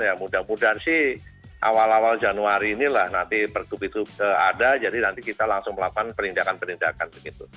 ya mudah mudahan sih awal awal januari inilah nanti pergub itu ada jadi nanti kita langsung melakukan penindakan penindakan begitu